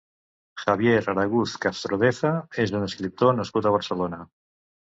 Javier Araguz Castrodeza és un escriptor nascut a Barcelona.